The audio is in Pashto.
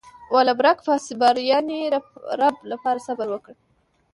ولربک فاصبر يانې رب لپاره صبر وکړه.